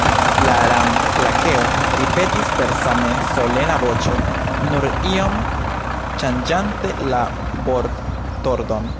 La Ran-Lakeo ripetis per same solena voĉo, nur iom ŝanĝante la vortordon.